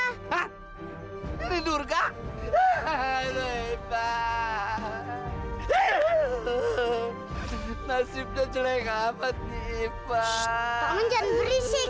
shhh pak man jangan berisik